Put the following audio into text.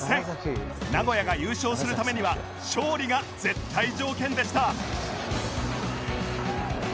名古屋が優勝するためには勝利が絶対条件でした